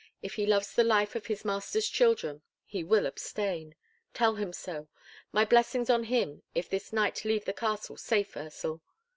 If he loves the life of his master's children, he will abstain! Tell him so. My blessings on him if this knight leave the castle safe, Ursel."